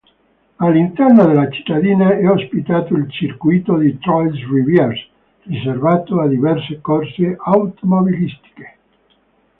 All'interno della cittadina è ospitato il Circuito di Trois-Rivières, riservato a diverse corse automobilistiche.